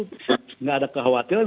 tidak ada kekhawatiran